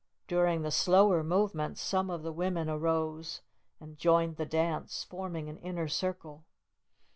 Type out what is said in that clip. During the slower movements, some of the women arose, and joined the dance, forming an inner circle.